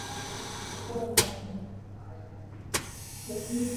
kwamba ambayo makundi fulani hudai kuwa hupinga utegemeaj